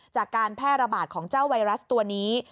จากการแพร่ระบาดของเจ้าไวรัสตัวนี้